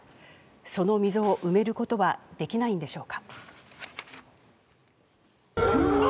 その溝を埋めることはできないんでしょうか。